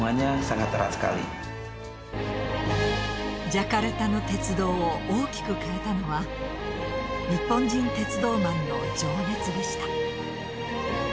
ジャカルタの鉄道を大きく変えたのは日本人鉄道マンの情熱でした。